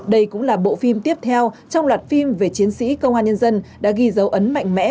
đây cũng là bộ phim tiếp theo trong loạt phim về chiến sĩ công an nhân dân đã ghi dấu ấn mạnh mẽ